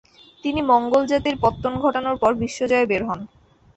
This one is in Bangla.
তিনি মঙ্গোল জাতির পত্তন ঘটানোর পর বিশ্বজয়ে বের হন।